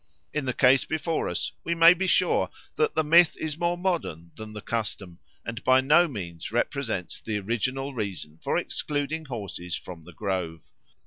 In the case before us we may be sure that the myth is more modern than the custom and by no means represents the original reason for excluding horses from the grove.